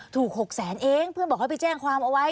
ถูกหกแสนเองเพื่อนบอกให้ไปแจ้งความเอาไว้